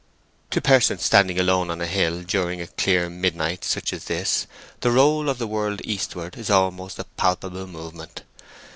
To persons standing alone on a hill during a clear midnight such as this, the roll of the world eastward is almost a palpable movement.